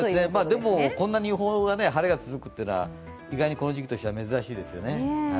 でもこんなに晴れが続くというのはこの時期としては珍しいですよね。